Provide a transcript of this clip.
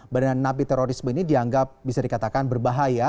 badan napi terorisme ini dianggap bisa dikatakan berbahaya